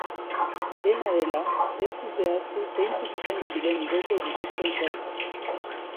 Dena dela, ez du zehaztu zeintzuk izango diren igoko dituzten zergak.